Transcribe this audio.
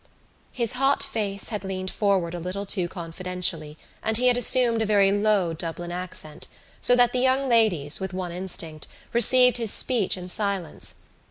'" His hot face had leaned forward a little too confidentially and he had assumed a very low Dublin accent so that the young ladies, with one instinct, received his speech in silence.